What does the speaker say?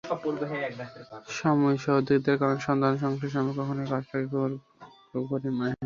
স্বামীর সহযোগিতার কারণে সন্তান, সংসার সামলে কখনোই কাজটাকে খুব কঠিন মনে হয়নি।